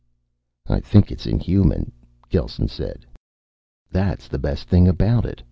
"I think it's inhuman," Gelsen said. "That's the best thing about it.